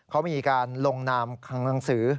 เขามีการลงนามหนังสือ